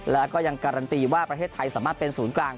แล้วก็ยังการันตีว่าประเทศไทยสามารถเป็นศูนย์กลาง